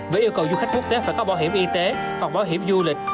với yêu cầu du khách quốc tế phải có bảo hiểm y tế hoặc bảo hiểm du lịch